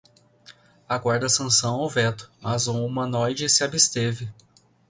Aguarda sanção ou veto, mas um humanoide se absteve